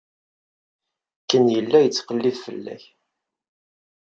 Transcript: Ken yella yettqellib fell-ak.